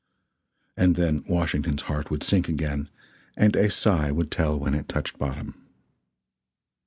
And then Washington's heart would sink again and a sigh would tell when it touched bottom.